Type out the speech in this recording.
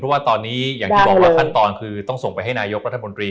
เพราะว่าตอนนี้อย่างที่บอกว่าขั้นตอนคือต้องส่งไปให้นายกรัฐมนตรี